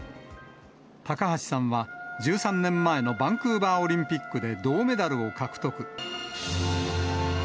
高橋さんは、１３年前のバンクーバーオリンピックで銅メダルを獲得。